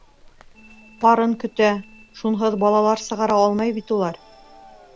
Парын көтә, шунһыҙ балалар сығара алмай бит улар.